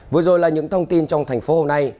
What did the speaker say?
vừa rồi là những thông tin trong thành phố hôm nay